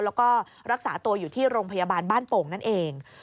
แล้วก็รักษาตัวอยู่ที่โรงพยาบาลบ้านโป่งนั่นเอง